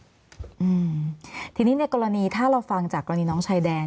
อืมทีนี้ในกรณีถ้าเราฟังจากกรณีน้องชายแดน